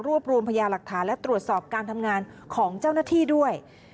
รวมรวมพยาหลักฐานและตรวจสอบการทำงานของเจ้าหน้าที่ด้วย